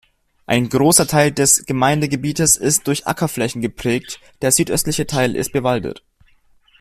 Ein großer Teil des Gemeindegebietes ist durch Ackerflächen geprägt, der südöstliche Teil ist bewaldet.